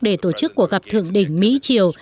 để tổ chức cuộc gặp thượng đỉnh mỹ triều